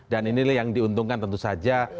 dan inilah yang diuntungkan tentu saja